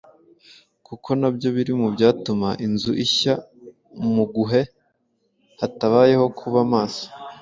kuko nabyo biri mu byatuma inzu ishya mu guhe hatabayeho kuba maso